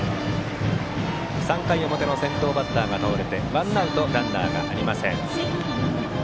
３回表の先頭バッターが倒れてワンアウト、ランナーありません。